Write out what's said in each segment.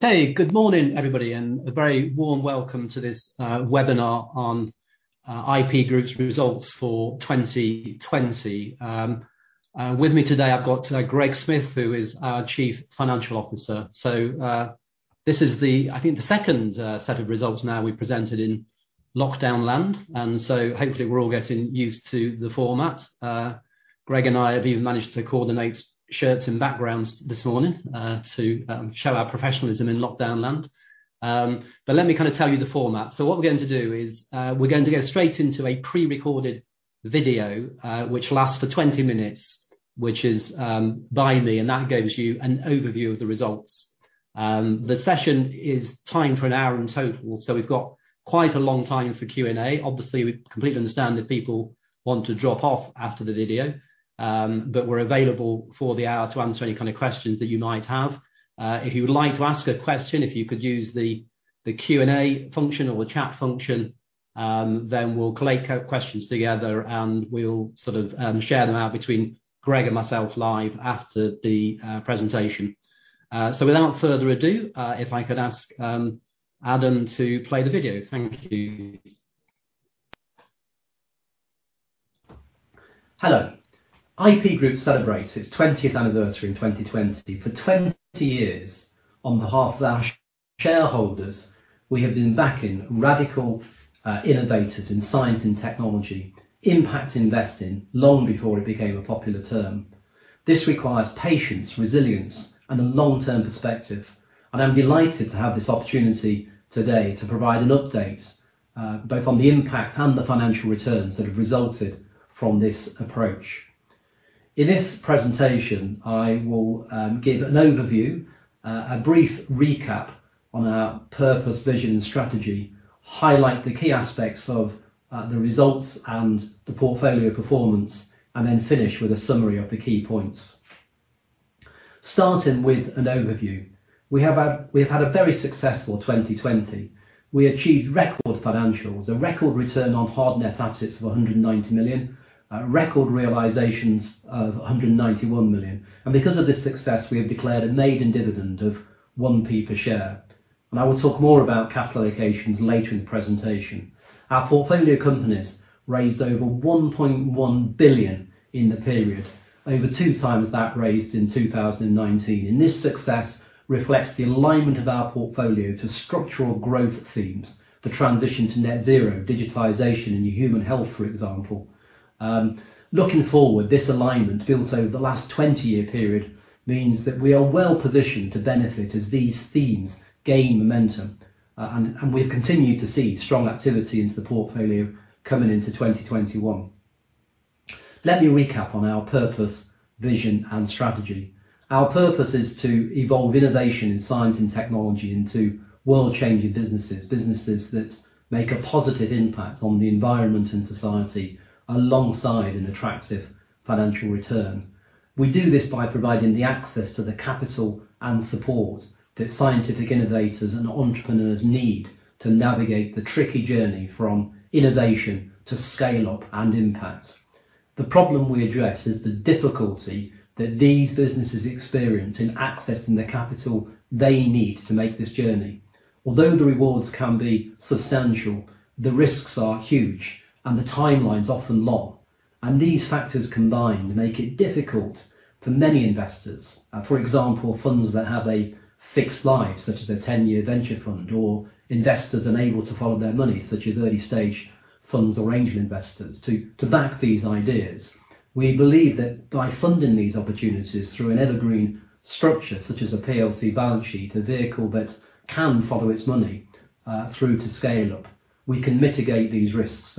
Hey, good morning, everybody, and a very warm welcome to this webinar on IP Group's results for 2020. With me today, I've got Greg Smith, who is our Chief Financial Officer. This is, I think, the second set of results now we've presented in lockdown land, and so hopefully we're all getting used to the format. Greg and I have even managed to coordinate shirts and backgrounds this morning to show our professionalism in lockdown land. Let me tell you the format. What we're going to do is, we're going to go straight into a pre-recorded video, which will last for 20 minutes, which is by me, and that gives you an overview of the results. The session is timed for an hour in total, so we've got quite a long time for Q&A. We completely understand if people want to drop off after the video, but we're available for the hour to answer any kind of questions that you might have. If you would like to ask a question, if you could use the Q&A function or the chat function, we'll collate questions together, and we'll sort of share them out between Greg and myself live after the presentation. Without further ado, if I could ask Adam to play the video. Thank you. Hello. IP Group celebrates its 20th anniversary in 2020. For 20 years, on behalf of our shareholders, we have been backing radical innovators in science and technology, impact investing, long before it became a popular term. This requires patience, resilience, and a long-term perspective. I'm delighted to have this opportunity today to provide an update both on the impact and the financial returns that have resulted from this approach. In this presentation, I will give an overview, a brief recap on our purpose, vision, and strategy, highlight the key aspects of the results and the portfolio performance, then finish with a summary of the key points. Starting with an overview. We have had a very successful 2020. We achieved record financials, a record return on hard net assets of 190 million, record realizations of 191 million. Because of this success, we have declared a maiden dividend of 0.01 per share. I will talk more about capital allocations later in the presentation. Our portfolio companies raised over 1.1 billion in the period, over 2x that raised in 2019. This success reflects the alignment of our portfolio to structural growth themes, the transition to net zero, digitization, and new human health, for example. Looking forward, this alignment built over the last 20-year period means that we are well-positioned to benefit as these themes gain momentum. We've continued to see strong activity into the portfolio coming into 2021. Let me recap on our purpose, vision, and strategy. Our purpose is to evolve innovation in science and technology into world-changing businesses. Businesses that make a positive impact on the environment and society alongside an attractive financial return. We do this by providing the access to the capital and support that scientific innovators and entrepreneurs need to navigate the tricky journey from innovation to scale-up and impact. The problem we address is the difficulty that these businesses experience in accessing the capital they need to make this journey. Although the rewards can be substantial, the risks are huge, and the timeline is often long, and these factors combined make it difficult for many investors. For example, funds that have a fixed life, such as a 10-year venture fund, or investors unable to follow their money, such as early-stage funds or angel investors, to back these ideas. We believe that by funding these opportunities through an evergreen structure, such as a PLC balance sheet, a vehicle that can follow its money through to scale-up, we can mitigate these risks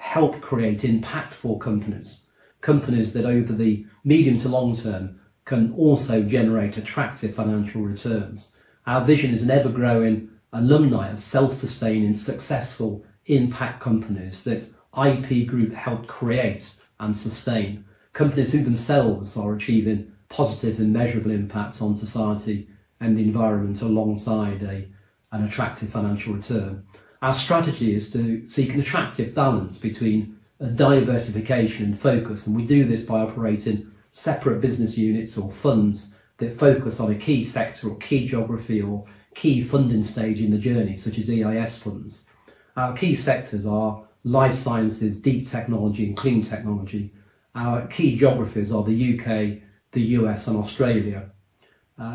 and help create impactful companies. Companies that over the medium to long-term can also generate attractive financial returns. Our vision is an ever-growing alumni of self-sustaining, successful impact companies that IP Group helped create and sustain, companies who themselves are achieving positive and measurable impacts on society and the environment alongside an attractive financial return. Our strategy is to seek an attractive balance between diversification and focus. We do this by operating separate business units or funds that focus on a key sector or key geography or key funding stage in the journey, such as EIS funds. Our key sectors Life Sciences, Deep Technology, and Clean Technology. Our key geographies are the U.K., the U.S., and Australia.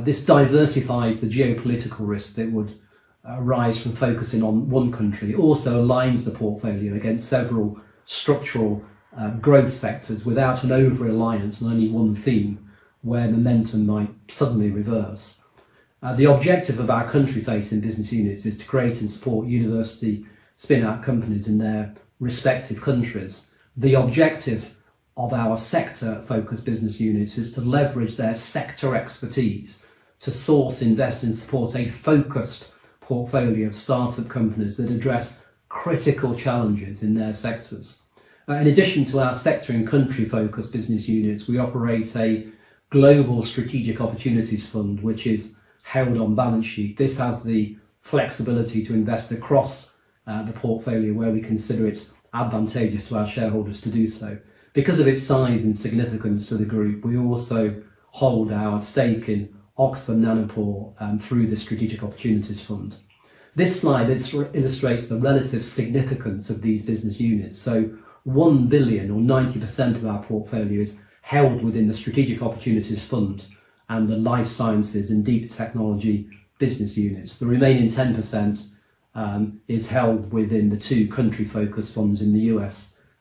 This diversifies the geopolitical risk that would arise from focusing on one country. It also aligns the portfolio against several structural growth sectors without an overreliance on any one theme where momentum might suddenly reverse. The objective of our country-facing business units is to create and support university spin-out companies in their respective countries. The objective of our sector-focused business units is to leverage their sector expertise to source, invest, and support a focused portfolio of startup companies that address critical challenges in their sectors. In addition to our sector and country-focused business units, we operate a Global Strategic Opportunities Fund, which is held on balance sheet. This has the flexibility to invest across the portfolio where we consider it advantageous to our shareholders to do so. Because of its size and significance to the group, we also hold our stake in Oxford Nanopore through the Strategic Opportunities Fund. This slide illustrates the relative significance of these business units. 1 billion or 90% of our portfolio is held within the Strategic Opportunities Fund and Life Sciences and Deep Technology business units. The remaining 10% is held within the two country-focused funds in the U.S.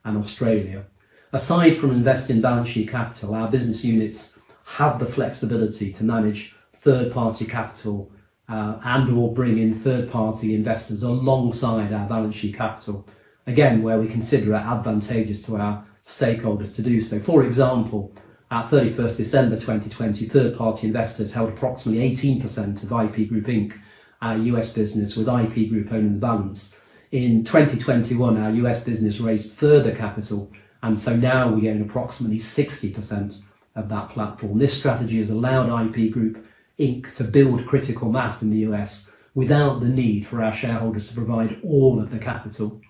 and Australia. Aside from investing balance sheet capital, our business units have the flexibility to manage third-party capital, and/or bring in third-party investors alongside our balance sheet capital, again, where we consider it advantageous to our stakeholders to do so. For example, at 31st December 2020, third-party investors held approximately 18% of IP Group Inc, our U.S. business, with IP Group owning the balance. In 2021, our U.S. business raised further capital, now we own approximately 60% of that platform. This strategy has allowed IP Group Inc to build critical mass in the U.S. without the need for our shareholders to provide all of the capital.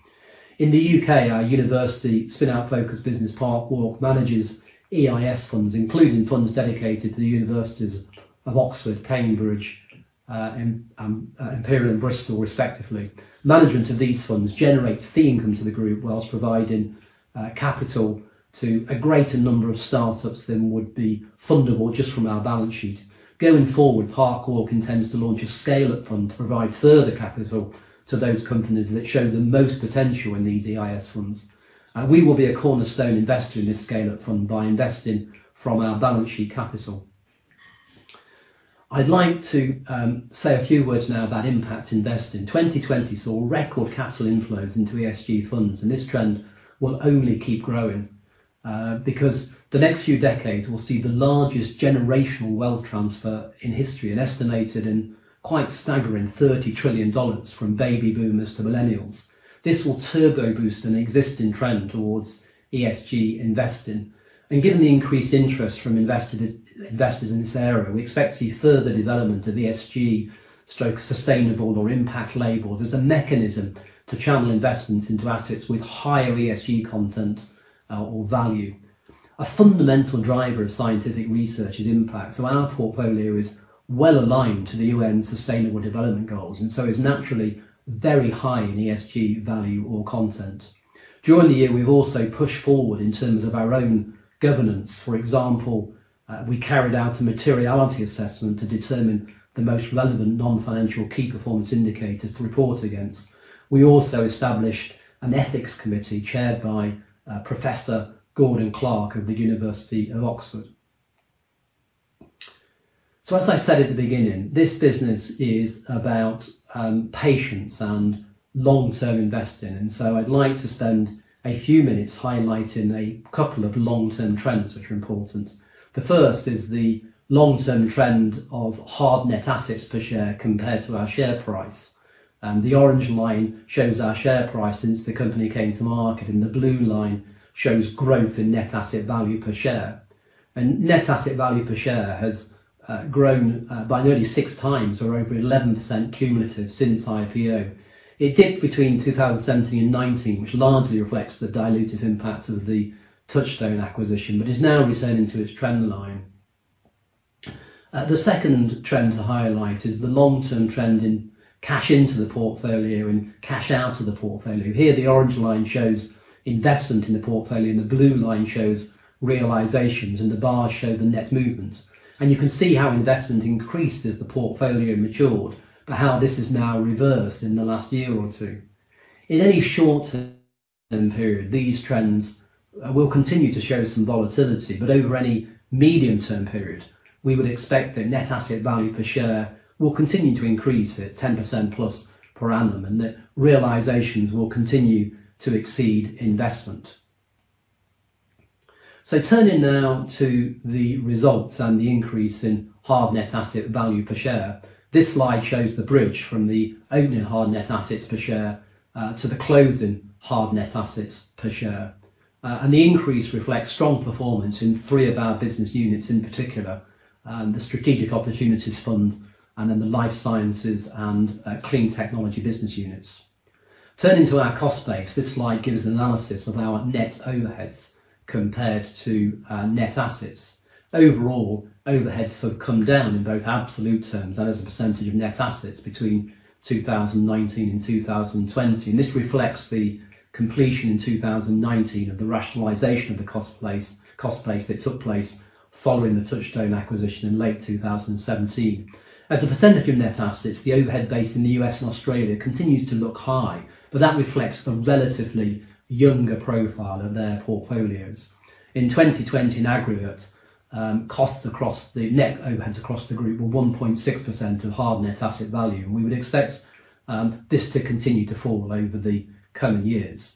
In the U.K., our university spinout-focused business, Parkwalk, manages EIS funds, including funds dedicated to the universities of Oxford, Cambridge, Imperial, and Bristol, respectively. Management of these funds generates fee income to the group whilst providing capital to a greater number of startups than would be fundable just from our balance sheet. Going forward, Parkwalk intends to launch a scale-up fund to provide further capital to those companies that show the most potential in these EIS funds. We will be a cornerstone investor in this scale-up fund by investing from our balance sheet capital. I'd like to say a few words now about impact investing. 2020 saw record capital inflows into ESG funds, and this trend will only keep growing, because the next few decades will see the largest generational wealth transfer in history, an estimated and quite staggering $30 trillion from baby boomers to millennials. This will turbo boost an existing trend towards ESG investing. Given the increased interest from investors in this area, we expect to see further development of ESG/sustainable or impact labels as a mechanism to channel investments into assets with higher ESG content or value. A fundamental driver of scientific research is impact, so our portfolio is well-aligned to the UN Sustainable Development Goals, and so is naturally very high in ESG value or content. During the year, we’ve also pushed forward in terms of our own governance. For example, we carried out a materiality assessment to determine the most relevant non-financial key performance indicators to report against. We also established an ethics committee chaired by Professor Gordon Clark of the University of Oxford. As I said at the beginning, this business is about patience and long-term investing, and so I’d like to spend a few minutes highlighting a couple of long-term trends which are important. The first is the long-term trend of hard net assets per share compared to our share price. The orange line shows our share price since the company came to market, and the blue line shows growth in net asset value per share. Net asset value per share has grown by nearly six times or over 11% cumulative since IPO. It dipped between 2017 and 2019, which largely reflects the dilutive impact of the Touchstone acquisition, but is now returning to its trend line. The second trend to highlight is the long-term trend in cash into the portfolio and cash out of the portfolio. Here, the orange line shows investment in the portfolio, and the blue line shows realizations, and the bars show the net movements. You can see how investment increased as the portfolio matured, but how this has now reversed in the last year or two. In any short-term period, these trends will continue to show some volatility, over any medium-term period, we would expect the net asset value per share will continue to increase at 10%+ per annum, the realizations will continue to exceed investment. Turning now to the results, the increase in hard net asset value per share. This slide shows the bridge from the opening hard net assets per share, to the closing hard net assets per share. The increase reflects strong performance in three of our business units, in particular, the Strategic Opportunities Fund, Life Sciences and Clean Technology business units. Turning to our cost base, this slide gives an analysis of our net overheads compared to net assets. Overall, overheads have come down in both absolute terms as a percentage of net assets between 2019 and 2020. This reflects the completion in 2019 of the rationalization of the cost base that took place following the Touchstone acquisition in late 2017. As a percentage of net assets, the overhead base in the U.S. and Australia continues to look high, but that reflects the relatively younger profile of their portfolios. In 2020, in aggregate, net overheads across the group were 1.6% of hard net asset value, and we would expect this to continue to fall over the coming years.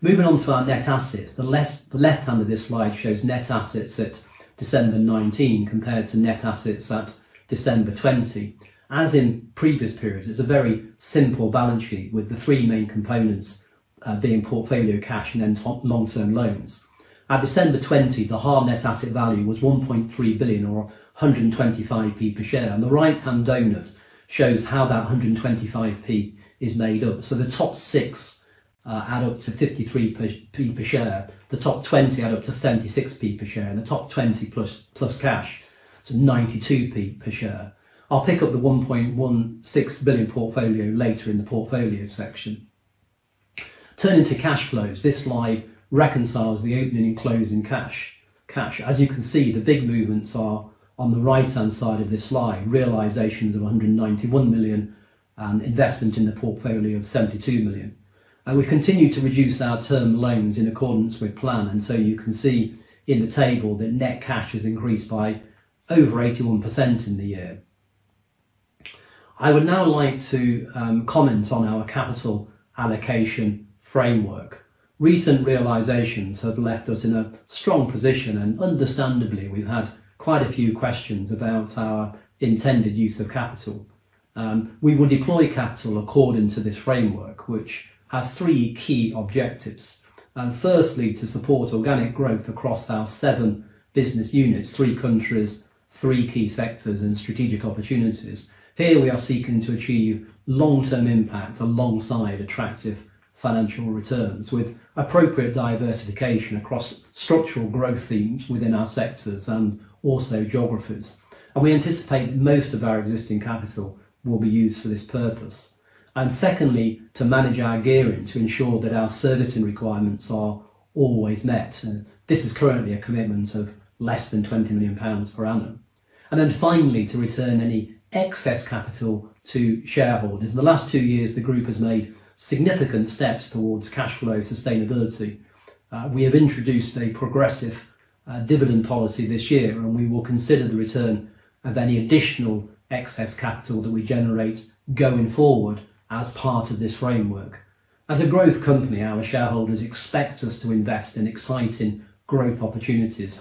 Moving on to our net assets. The left hand of this slide shows net assets at December 2019 compared to net assets at December 2020. As in previous periods, it's a very simple balance sheet with the three main components, being portfolio cash and then long-term loans. At December 2020, the hard net asset value was 1.3 billion or 1.25 per share. The right-hand donut shows how that 1.25 is made up. The top six add up to 0.53 per share. The top 20 add up to 0.76 per share, and the top 20 plus cash to 0.92 per share. I will pick up the 1.16 billion portfolio later in the Portfolio section. Turning to cash flows, this slide reconciles the opening and closing cash. As you can see, the big movements are on the right-hand side of this slide, realizations of 191 million and investment in the portfolio of 72 million. We've continued to reduce our term loans in accordance with plan. You can see in the table that net cash has increased by over 81% in the year. I would now like to comment on our capital allocation framework. Recent realizations have left us in a strong position, and understandably, we've had quite a few questions about our intended use of capital. We will deploy capital according to this framework, which has three key objectives. Firstly, to support organic growth across our seven business units, three countries, three key sectors and strategic opportunities. Here we are seeking to achieve long-term impact alongside attractive financial returns with appropriate diversification across structural growth themes within our sectors and also geographies. We anticipate most of our existing capital will be used for this purpose. Secondly, to manage our gearing to ensure that our servicing requirements are always met. This is currently a commitment of less than 20 million pounds per annum. Finally, to return any excess capital to shareholders. In the last two years, the group has made significant steps towards cash flow sustainability. We have introduced a progressive, dividend policy this year. We will consider the return of any additional excess capital that we generate going forward as part of this framework. As a growth company, our shareholders expect us to invest in exciting growth opportunities.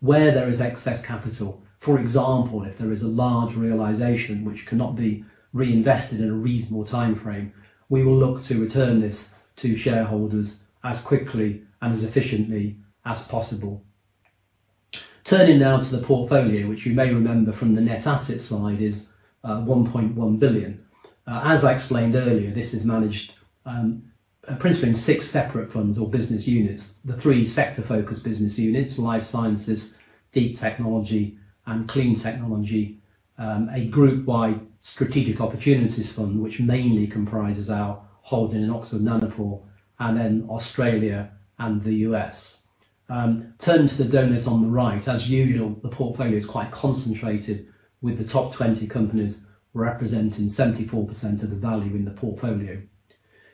Where there is excess capital, for example, if there is a large realization which cannot be reinvested in a reasonable timeframe, we will look to return this to shareholders as quickly and as efficiently as possible. Turning now to the portfolio, which you may remember from the net asset slide is 1.1 billion. As I explained earlier, this is managed principally in six separate funds or business units. The three sector focused business Life Sciences, Deep Technology and Clean Technology, a group like Strategic Opportunities Fund, which mainly comprises our holding in Oxford Nanopore and then Australia and the U.S. Turning to the donuts on the right, as usual, the portfolio is quite concentrated with the top 20 companies representing 74% of the value in the portfolio.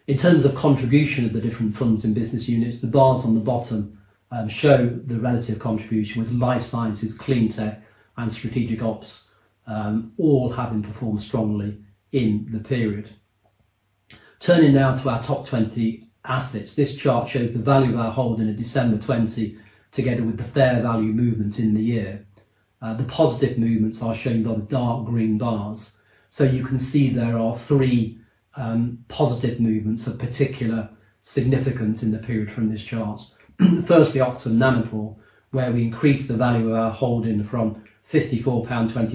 In terms of contribution of the different funds and business units, the bars on the bottom show the relative contribution Life Sciences, Clean Tech, and Strategic Ops all having performed strongly in the period. Turning now to our top 20 assets. This chart shows the value of our holding at December 2020, together with the fair value movement in the year. The positive movements are shown by the dark-green bars. You can see there are three positive movements of particular significance in the period from this chart. Firstly, Oxford Nanopore, where we increased the value of our holding from 54.25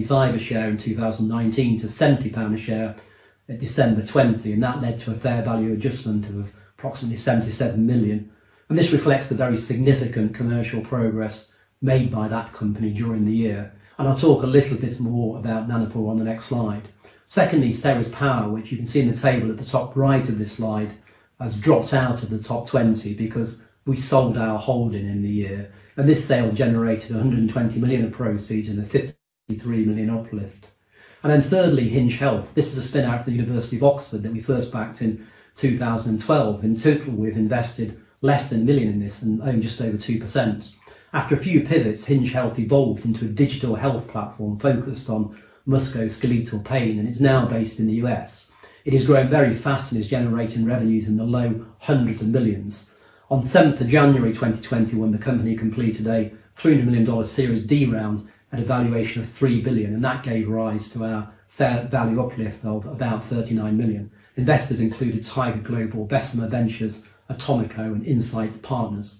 pound a share in 2019 to 70 pound a share at December 2020, and that led to a fair value adjustment of approximately 77 million. This reflects the very significant commercial progress made by that company during the year. I'll talk a little bit more about Nanopore on the next slide. Secondly, Ceres Power, which you can see in the table at the top right of this slide, has dropped out of the top 20 because we sold our holding in the year. This sale generated 120 million of proceeds and a 53 million uplift. Thirdly, Hinge Health. This is a spin out of the University of Oxford that we first backed in 2012. In total, we've invested less than 1 million in this and own just over 2%. After a few pivots, Hinge Health evolved into a digital health platform focused on musculoskeletal pain, and it's now based in the U.S. It is growing very fast and is generating revenues in the low hundreds of millions. On the 7th of January 2021, the company completed a $300 million Series D round at a valuation of $3 billion, and that gave rise to our fair value uplift of about 39 million. Investors included Tiger Global, Bessemer Ventures, Atomico, and Insight Partners.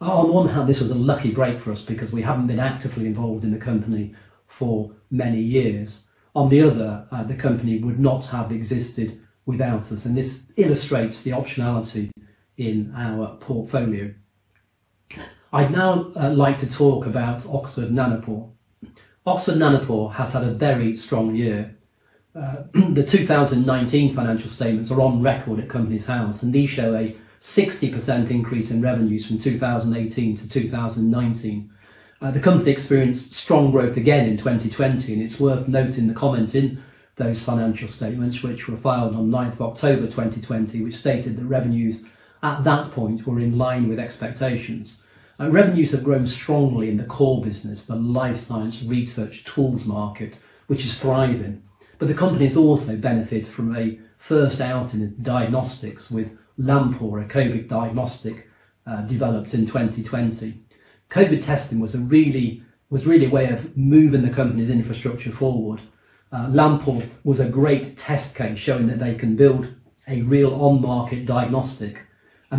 On one hand, this was a lucky break for us because we haven't been actively involved in the company for many years. On the other, the company would not have existed without us, and this illustrates the optionality in our portfolio. I'd now like to talk about Oxford Nanopore. Oxford Nanopore has had a very strong year. The 2019 financial statements are on record at Companies House, these show a 60% increase in revenues from 2018 to 2019. The company experienced strong growth again in 2020, it's worth noting the comment in those financial statements which were filed on 9th of October 2020, which stated that revenues at that point were in line with expectations. Revenues have grown strongly in the core business, the Life Science research tools market, which is thriving. The company has also benefited from a first out in diagnostics with LamPORE, a COVID diagnostic, developed in 2020. COVID testing was really a way of moving the company's infrastructure forward. LamPORE was a great test case showing that they can build a real on-market diagnostic,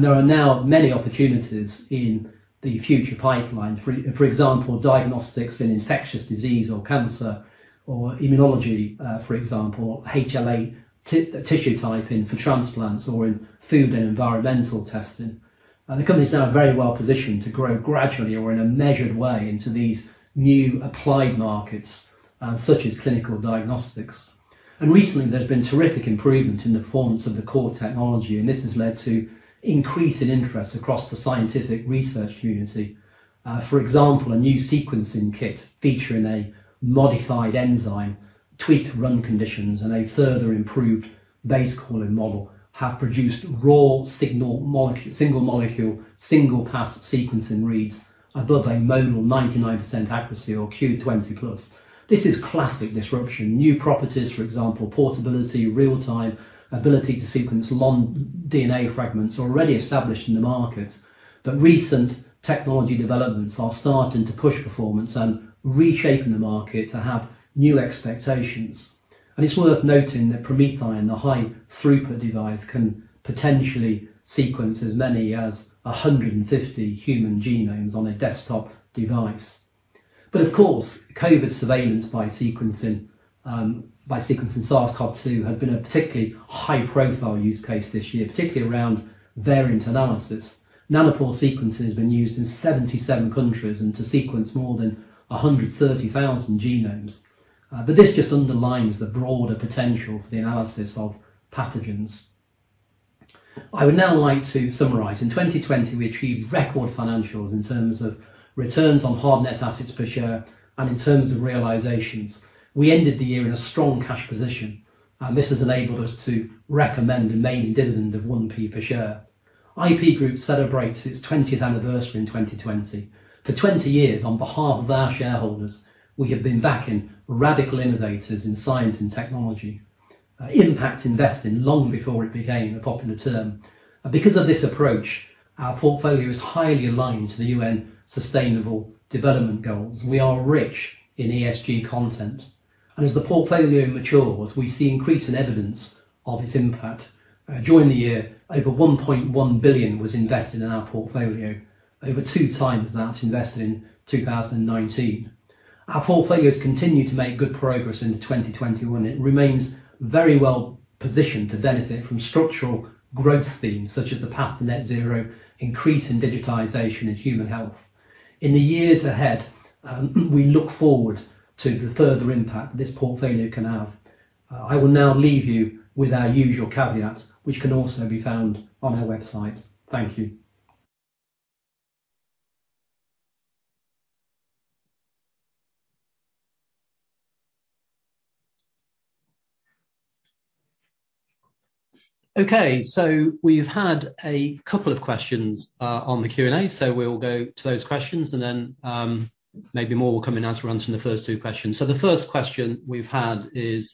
there are now many opportunities in the future pipeline. For example, diagnostics in infectious disease or cancer or immunology. For example, HLA tissue typing for transplants or in food and environmental testing. The company is now very well positioned to grow gradually or in a measured way into these new applied markets, such as clinical diagnostics. Recently there's been terrific improvement in the performance of the core technology, and this has led to increased interest across the scientific research community. For example, a new sequencing kit featuring a modified enzyme, tweaked run conditions, and a further improved base calling model have produced raw single molecule, single pass sequencing reads above a modal 99% accuracy or Q20+. This is classic disruption. New properties, for example, portability, real-time ability to sequence long DNA fragments already established in the market. Recent technology developments are starting to push performance and reshaping the market to have new expectations. It's worth noting that PromethION, the high throughput device, can potentially sequence as many as 150 human genomes on a desktop device. Of course, COVID surveillance by sequencing SARS-CoV-2 has been a particularly high-profile use case this year, particularly around variant analysis. Nanopore sequencing has been used in 77 countries and to sequence more than 130,000 genomes. This just underlines the broader potential for the analysis of pathogens. I would now like to summarize. In 2020, we achieved record financials in terms of returns on hard net assets per share, and in terms of realizations. We ended the year in a strong cash position, and this has enabled us to recommend a maiden dividend of 0.01 per share. IP Group celebrates its 20th anniversary in 2020. For 20 years, on behalf of our shareholders, we have been backing radical innovators in science and technology, impact investing, long before it became a popular term. Because of this approach, our portfolio is highly aligned to the UN Sustainable Development Goals. We are rich in ESG content. As the portfolio matures, we see increasing evidence of its impact. During the year, over 1.1 billion was invested in our portfolio, over 2x that invested in 2019. Our portfolios continue to make good progress into 2021. It remains very well positioned to benefit from structural growth themes such as the path to net zero, increase in digitization and human health. In the years ahead, we look forward to the further impact this portfolio can have. I will now leave you with our usual caveat, which can also be found on our website. Thank you. Okay. We've had a couple of questions on the Q&A. We'll go to those questions and then maybe more will come in as we run through the first two questions. The first question we've had is,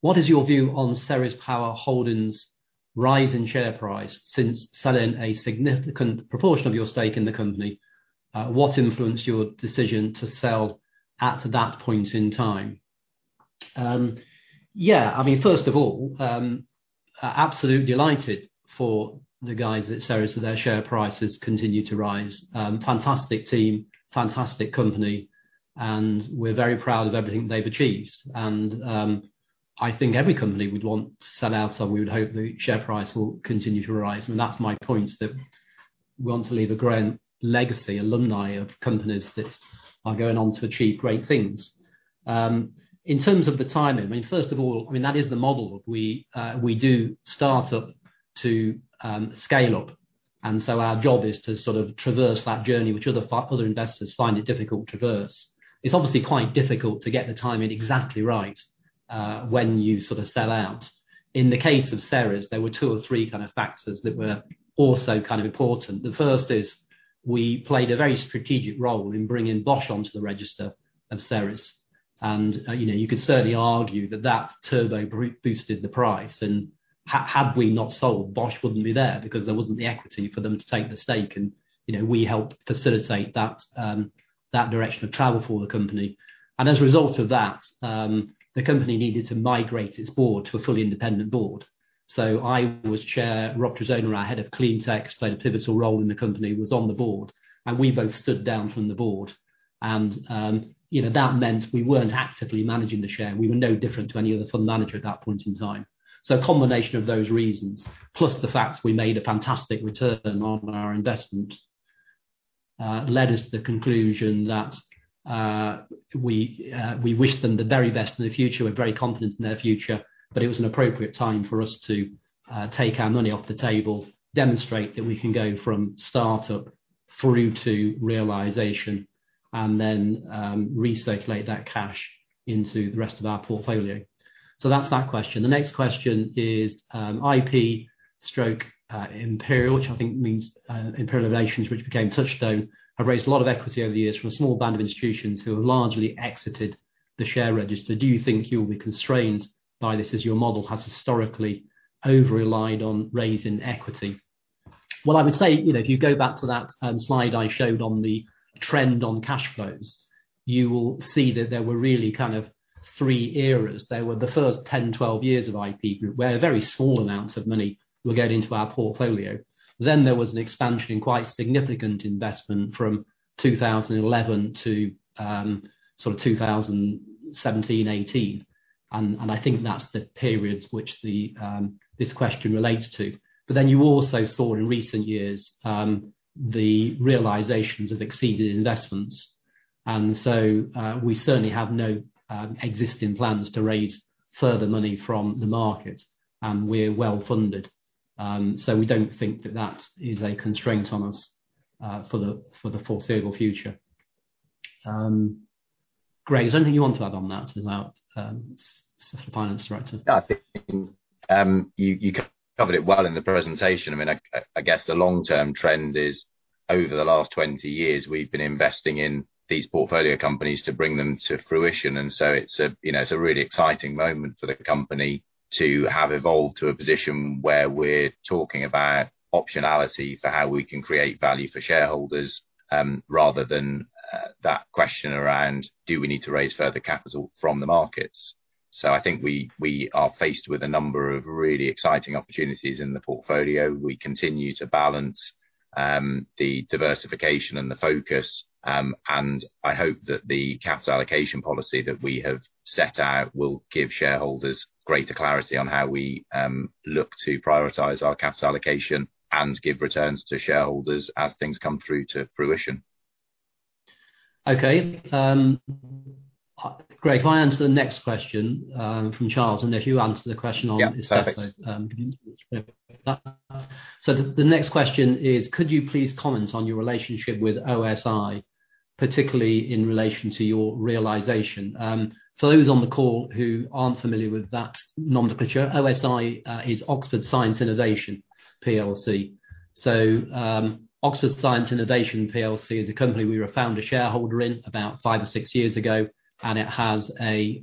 what is your view on Ceres Power Holdings' rise in share price since selling a significant proportion of your stake in the company? What influenced your decision to sell at that point in time? Yeah, first of all, absolutely delighted for the guys at Ceres that their share prices continue to rise. Fantastic team, fantastic company, and we're very proud of everything they've achieved. I think every company would want to sell out, so we would hope the share price will continue to rise. That's my point, that we want to leave a grand legacy alumni of companies that are going on to achieve great things. In terms of the timing, first of all, that is the model. We do start up to scale up, and so our job is to sort of traverse that journey, which other investors find it difficult to traverse. It's obviously quite difficult to get the timing exactly right when you sell out. In the case of Ceres, there were two or three kind of factors that were also kind of important. The first is we played a very strategic role in bringing Bosch onto the register of Ceres, and you could certainly argue that that turbo boosted the price, and had we not sold, Bosch wouldn't be there because there wasn't the equity for them to take the stake, and we helped facilitate that direction of travel for the company. As a result of that, the company needed to migrate its board to a fully independent board. I was chair, Rob Trezona, our Head of Clean Tech, played a pivotal role in the company, was on the board, and we both stood down from the board. That meant we weren't actively managing the share. We were no different to any other fund manager at that point in time. A combination of those reasons, plus the fact we made a fantastic return on our investment, led us to the conclusion that we wish them the very best in the future. We're very confident in their future. It was an appropriate time for us to take our money off the table, demonstrate that we can go from start-up through to realization, and then recirculate that cash into the rest of our portfolio. That's that question. The next question is IP/Imperial, which I think means Imperial Innovations, which became Touchstone, have raised a lot of equity over the years from a small band of institutions who have largely exited the share register. Do you think you'll be constrained by this as your model has historically over-relied on raising equity? Well, I would say, if you go back to that slide I showed on the trend on cash flows, you will see that there were really kind of three eras. There were the first 10, 12 years of IP Group, where very small amounts of money were going into our portfolio. Then there was an expansion in quite significant investment from 2011 to 2017, 2018, and I think that's the period which this question relates to. Then you also saw in recent years, the realizations of exceeded investments. We certainly have no existing plans to raise further money from the market. We're well-funded. We don't think that that is a constraint on us for the foreseeable future. Greg, is there anything you want to add on that as our Finance Director? No, I think you covered it well in the presentation. I guess the long-term trend is over the last 20 years, we've been investing in these portfolio companies to bring them to fruition. It's a really exciting moment for the company to have evolved to a position where we're talking about optionality for how we can create value for shareholders, rather than that question around do we need to raise further capital from the markets. I think we are faced with a number of really exciting opportunities in the portfolio. We continue to balance the diversification and the focus. I hope that the capital allocation policy that we have set out will give shareholders greater clarity on how we look to prioritize our capital allocation and give returns to shareholders as things come through to fruition. Okay. Greg, if I answer the next question from Charles, and if you answer the question. Yeah, perfect. The next question is, could you please comment on your relationship with OSI, particularly in relation to your realization? For those on the call who aren't familiar with that nomenclature, OSI is Oxford Sciences Innovation Plc. Oxford Sciences Innovation Plc is a company we were a founder shareholder in about five or six years ago, and it has a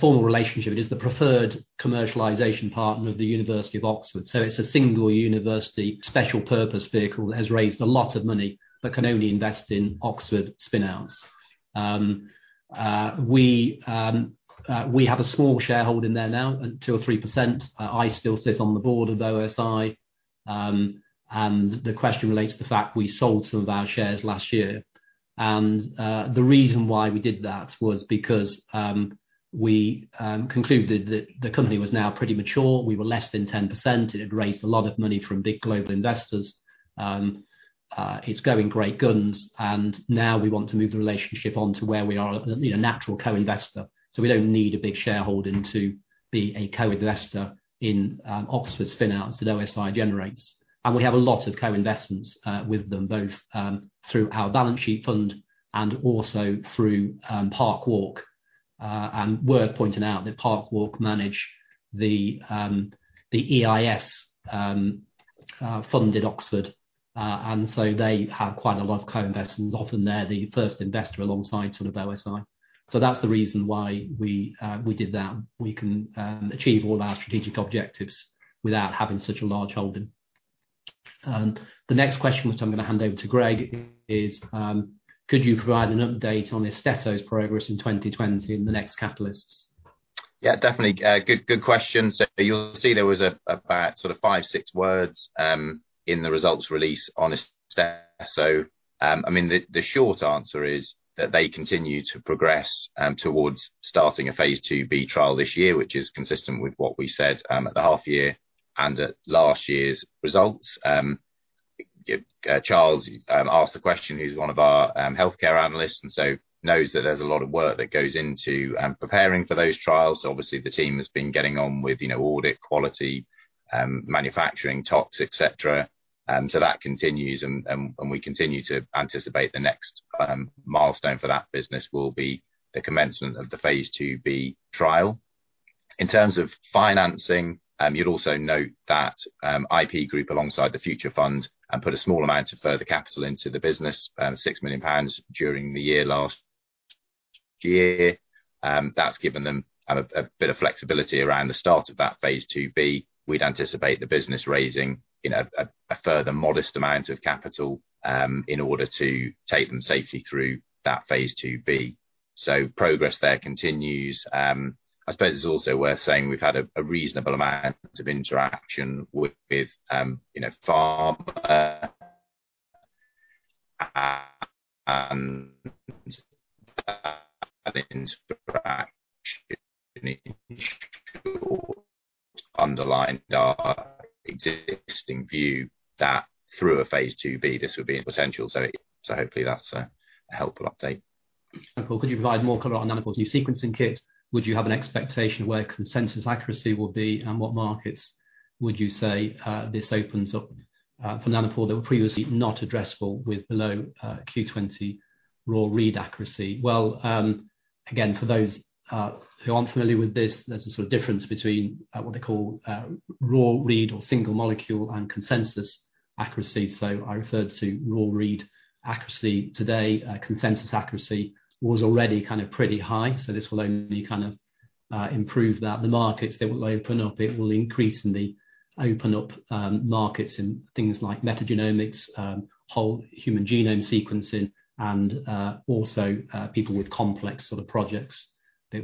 formal relationship. It is the preferred commercialization partner of the University of Oxford. It's a single university special purpose vehicle that has raised a lot of money but can only invest in Oxford spin-outs. We have a small shareholding there now, 2% or 3%. I still sit on the board of OSI. The question relates to the fact we sold some of our shares last year. The reason why we did that was because we concluded that the company was now pretty mature. We were less than 10%. It had raised a lot of money from big global investors. It's going great guns, and now we want to move the relationship on to where we are a natural co-investor. We don't need a big shareholding to be a co-investor in Oxford spin-outs that OSI generates. We have a lot of co-investments with them, both through our balance sheet fund and also through Parkwalk. Worth pointing out that Parkwalk manage the EIS-funded Oxford. They have quite a lot of co-investments. Often they're the first investor alongside OSI. That's the reason why we did that. We can achieve all our strategic objectives without having such a large holding. The next question, which I'm going to hand over to Greg is, could you provide an update on Istesso's progress in 2020 and the next catalysts? Yeah, definitely. Good question. You'll see there was about five, six words in the results release on Istesso. The short answer is that they continue to progress towards starting a phase II-B trial this year, which is consistent with what we said at the half year and at last year's results. Charles asked the question, who's one of our healthcare analysts, knows that there's a lot of work that goes into preparing for those trials. Obviously the team has been getting on with audit, quality, manufacturing, tox, et cetera. That continues, and we continue to anticipate the next milestone for that business will be the commencement of the phase II-B trial. In terms of financing, you'd also note that IP Group, alongside the Future Fund, put a small amount of further capital into the business, 6 million pounds, during the year last year. That's given them a bit of flexibility around the start of that phase II-B. We'd anticipate the business raising a further modest amount of capital in order to take them safely through that phase II-B. Progress there continues. I suppose it's also worth saying we've had a reasonable amount of interaction with underlying our existing view that through a phase II-B, this would be potential. Hopefully that's a helpful update. Could you provide more color on Nanopore's new sequencing kits? Would you have an expectation where consensus accuracy will be, and what markets would you say this opens up for Nanopore that were previously not addressable with below Q20 raw read accuracy? Well, again, for those who aren't familiar with this, there's a sort of difference between what they call raw read or single molecule and consensus accuracy. I referred to raw read accuracy today. Consensus accuracy was already kind of pretty high, so this will only kind of improve that. The markets, they will open up, it will increasingly open up markets in things like metagenomics, whole human genome sequencing, and also people with complex sort of projects. It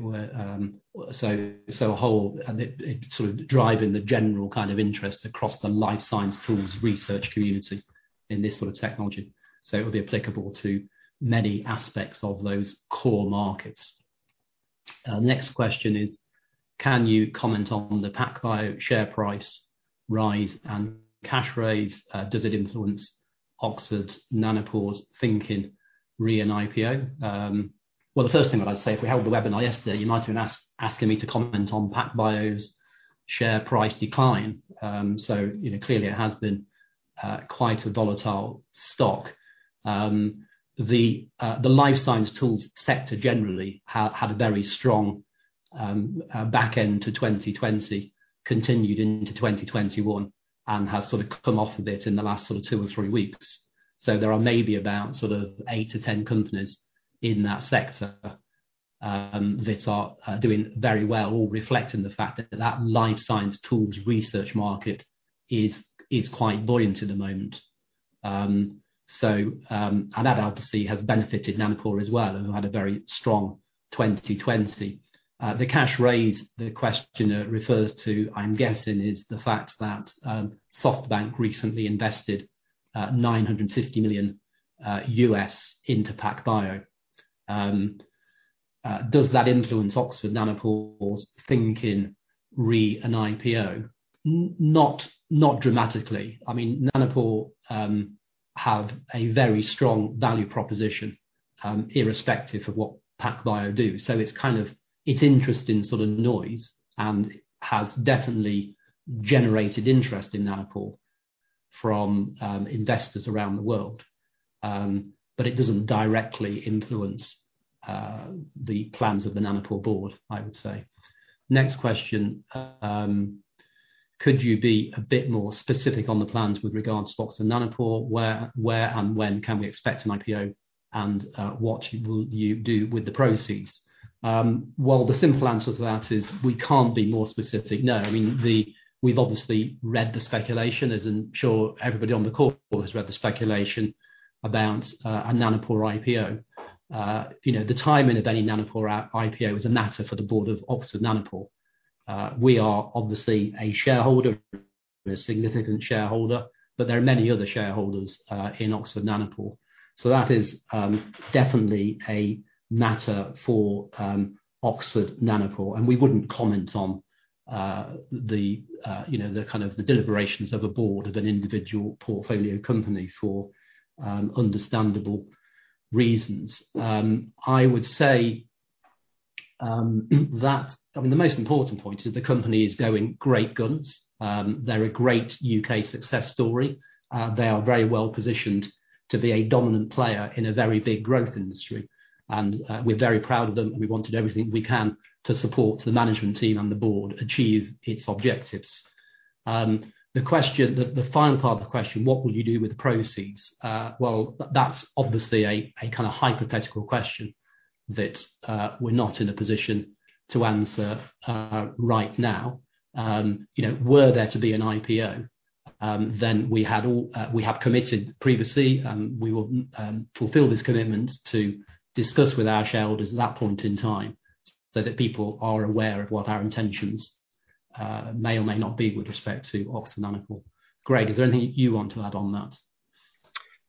sort of driving the general kind of interest across the Life Science tools research community in this sort of technology. It will be applicable to many aspects of those core markets. Next question is, "Can you comment on the PacBio share price rise and cash raise? Does it influence Oxford Nanopore's thinking re an IPO?" Well, the first thing that I'd say, if we held the webinar yesterday, you might have been asking me to comment on PacBio's share price decline. Clearly it has been quite a volatile stock. The Life Science tools sector generally had a very strong back end to 2020, continued into 2021, and have sort of come off a bit in the last sort of two or three weeks. There are maybe about eight to 10 companies in that sector that are doing very well, all reflecting the fact that that Life Science tools research market is quite buoyant at the moment. That obviously has benefited Nanopore as well, who had a very strong 2020. The cash raise the questioner refers to, I'm guessing, is the fact that SoftBank recently invested $950 million into PacBio. Does that influence Oxford Nanopore's thinking re an IPO? Not dramatically. Nanopore have a very strong value proposition, irrespective of what PacBio do. It's interesting sort of noise, and has definitely generated interest in Nanopore from investors around the world. It doesn't directly influence the plans of the Nanopore board, I would say. Next question. "Could you be a bit more specific on the plans with regards to Oxford Nanopore? Where and when can we expect an IPO, and what will you do with the proceeds?" Well, the simple answer to that is we can't be more specific, no. We've obviously read the speculation, as I'm sure everybody on the call has read the speculation about a Nanopore IPO. The timing of any Nanopore IPO is a matter for the board of Oxford Nanopore. We are obviously a shareholder, a significant shareholder, there are many other shareholders in Oxford Nanopore. That is definitely a matter for Oxford Nanopore, and we wouldn't comment on the deliberations of a board of an individual portfolio company for understandable reasons. I would say that the most important point is the company is going great guns. They're a great U.K. success story. They are very well-positioned to be a dominant player in a very big growth industry, and we're very proud of them. We want to do everything we can to support the management team and the board achieve its objectives. The final part of the question, what will you do with the proceeds? Well, that's obviously a kind of hypothetical question that we're not in a position to answer right now. Were there to be an IPO, then we have committed previously, and we will fulfill this commitment to discuss with our shareholders at that point in time so that people are aware of what our intentions may or may not be with respect to Oxford Nanopore. Greg, is there anything you want to add on that?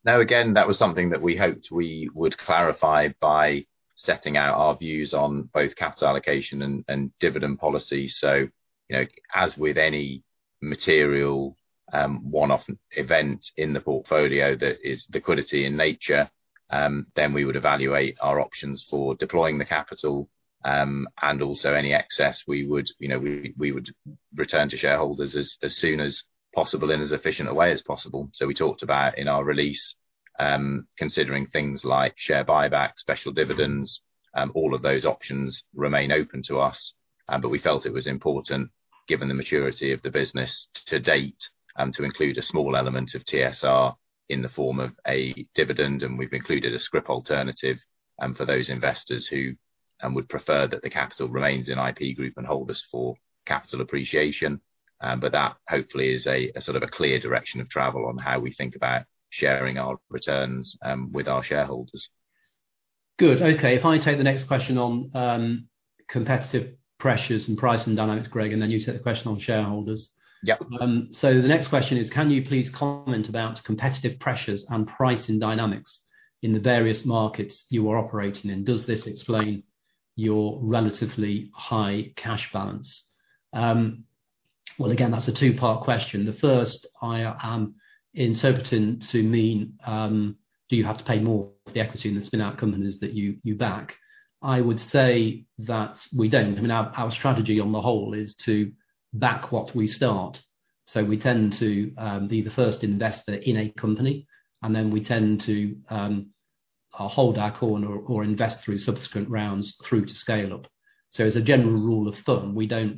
Again, that was something that we hoped we would clarify by setting out our views on both capital allocation and dividend policy. As with any material one-off event in the portfolio that is liquidity in nature, then we would evaluate our options for deploying the capital. Also any excess we would return to shareholders as soon as possible in as efficient a way as possible. We talked about, in our release, considering things like share buyback, special dividends, all of those options remain open to us. We felt it was important, given the maturity of the business to date, to include a small element of TSR in the form of a dividend, and we've included a scrip alternative for those investors who would prefer that the capital remains in IP Group and hold this for capital appreciation. That hopefully is a sort of a clear direction of travel on how we think about sharing our returns with our shareholders. Good. Okay, if I take the next question on competitive pressures and pricing dynamics, Greg, and then you take the question on shareholders. Yep. The next question is, "Can you please comment about competitive pressures and pricing dynamics in the various markets you are operating in? Does this explain your relatively high cash balance?" Well, again, that's a two-part question. The first I am interpreting to mean, do you have to pay more for the equity in the spin-out companies that you back? I would say that we don't. Our strategy on the whole is to back what we start. We tend to be the first investor in a company, and then we tend to hold our corner or invest through subsequent rounds through to scale-up. As a general rule of thumb, we don't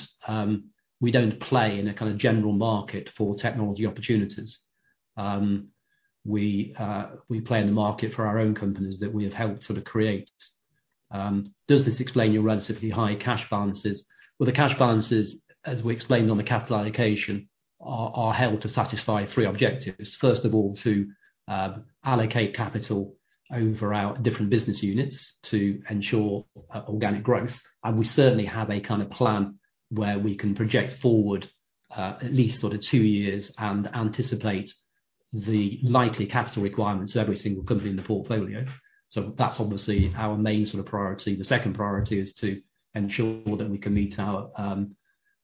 play in a kind of general market for technology opportunities. We play in the market for our own companies that we have helped sort of create. Does this explain your relatively high cash balances? Well, the cash balances, as we explained on the capital allocation, are held to satisfy three objectives. First of all, to allocate capital over our different business units to ensure organic growth. We certainly have a kind of plan where we can project forward at least sort of two years and anticipate the likely capital requirements of every single company in the portfolio. That's obviously our main sort of priority. The second priority is to ensure that we can meet our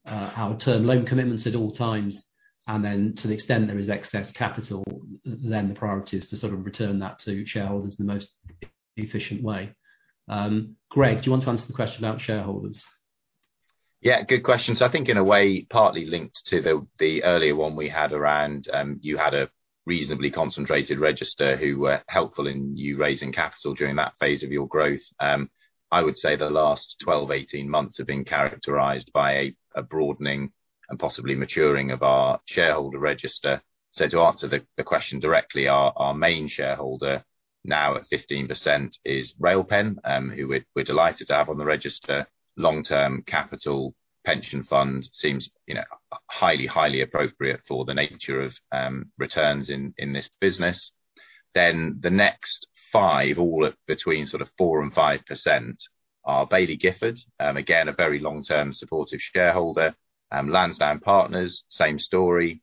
term loan commitments at all times. To the extent there is excess capital, then the priority is to sort of return that to shareholders in the most efficient way. Greg, do you want to answer the question about shareholders? Yeah, good question. I think in a way, partly linked to the earlier one we had around, you had a reasonably concentrated register who were helpful in you raising capital during that phase of your growth. I would say the last 12, 18 months have been characterized by a broadening and possibly maturing of our shareholder register. To answer the question directly, our main shareholder now at 15% is Railpen, who we're delighted to have on the register. Long-term capital pension fund seems highly appropriate for the nature of returns in this business. Then the next five, all at between sort of 4% and 5%, are Baillie Gifford, again, a very long-term supportive shareholder. Lansdowne Partners, same story.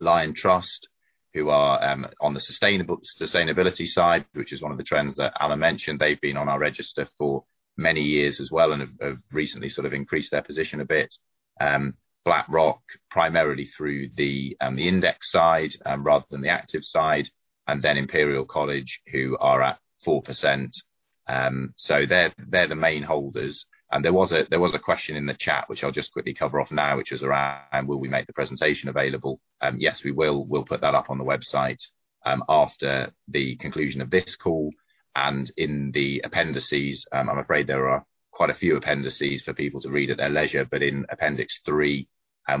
Liontrust, who are on the sustainability side, which is one of the trends that Alan mentioned. They've been on our register for many years as well and have recently sort of increased their position a bit, BlackRock primarily through the index side rather than the active side, and then Imperial College who are at 4%. They're the main holders. There was a question in the chat, which I'll just quickly cover off now, which is around will we make the presentation available? Yes, we will. We'll put that up on the website after the conclusion of this call and in the appendices, I'm afraid there are quite a few appendices for people to read at their leisure. In appendix three,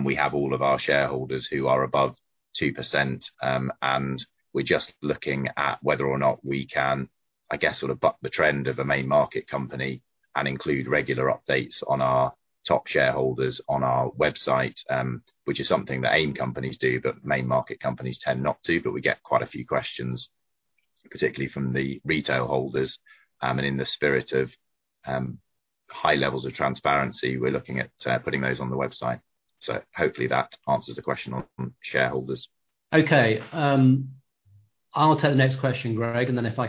we have all of our shareholders who are above 2%, and we're just looking at whether or not we can, I guess, sort of buck the trend of a main market company and include regular updates on our top shareholders on our website, which is something that AIM companies do, but main market companies tend not to. We get quite a few questions, particularly from the retail holders. In the spirit of high levels of transparency, we're looking at putting those on the website. Hopefully that answers the question on shareholders. Okay. I'll take the next question, Greg, and then if I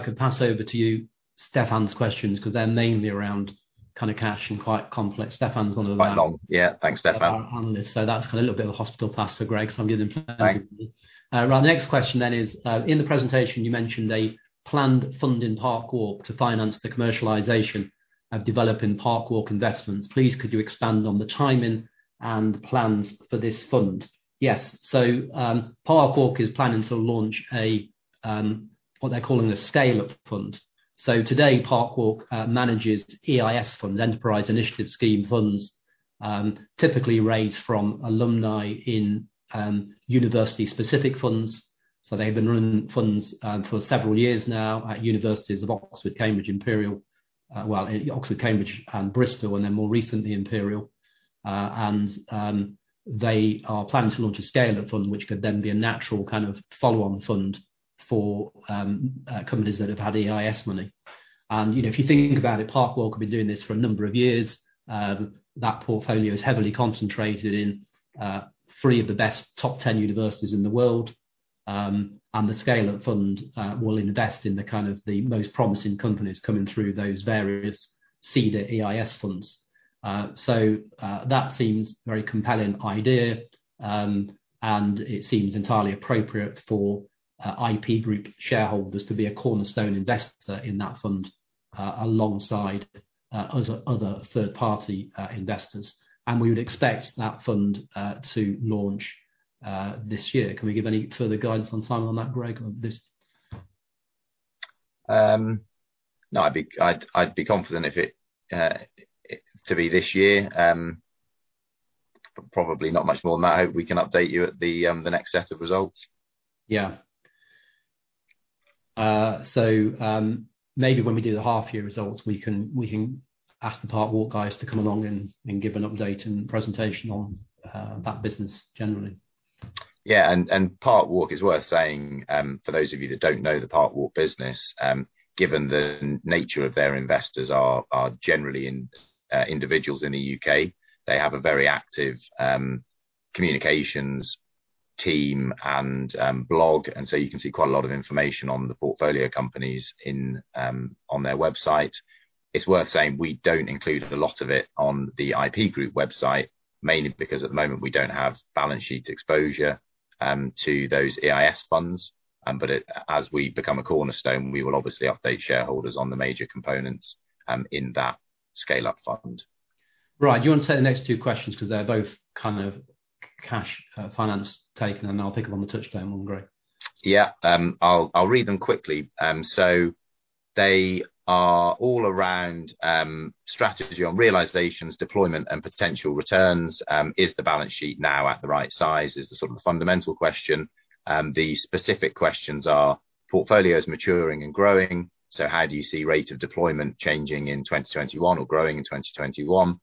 could pass over to you Stefan's questions, because they're mainly around kind of cash and quite complex stuff- Quite long. Yeah. Thanks, Stefan. Panelists, so that's kind of a little bit of a hospital pass for Greg. Thanks. The next question then is, in the presentation you mentioned a planned fund in Parkwalk to finance the commercialization of developing Parkwalk investments. Please could you expand on the timing and plans for this fund? Yes. Parkwalk is planning to launch what they're calling a scale-up fund. Today, Parkwalk manages EIS funds, Enterprise Investment Scheme funds, typically raised from alumni in university-specific funds. They've been running funds for several years now at Universities of Oxford, Cambridge, Imperial. Well, Oxford, Cambridge, and Bristol, and then more recently, Imperial. They are planning to launch a scale-up fund, which could then be a natural kind of follow-on fund for companies that have had EIS money. If you think about it, Parkwalk have been doing this for a number of years. That portfolio is heavily concentrated in three of the best top 10 universities in the world, and the scale-up fund will invest in the kind of the most promising companies coming through those various seed EIS funds. That seems very compelling idea, and it seems entirely appropriate for IP Group shareholders to be a cornerstone investor in that fund, alongside other third-party investors. We would expect that fund to launch this year. Can we give any further guidance on timing on that, Greg? No. I'd be confident to be this year. Probably not much more than that. I hope we can update you at the next set of results. Yeah. Maybe when we do the half year results, we can ask the Parkwalk guys to come along and give an update and presentation on that business generally. Yeah. Parkwalk, it's worth saying, for those of you that don't know the Parkwalk business, given the nature of their investors are generally individuals in the U.K., they have a very active communications team and blog. You can see quite a lot of information on the portfolio companies on their website. It's worth saying we don't include the lot of it on the IP Group website, mainly because at the moment, we don't have balance sheet exposure to those EIS funds. As we become a cornerstone, we will obviously update shareholders on the major components in that scale-up fund. Right. Do you want to take the next two questions because they're both kind of cash finance taken, and I'll pick up on the Touchstone one, Greg? Yeah. I will read them quickly. They are all around strategy on realizations, deployment, and potential returns. Is the balance sheet now at the right size? Is the fundamental question. The specific questions are, portfolio's maturing and growing, how do you see rate of deployment changing in 2021 or growing in 2021?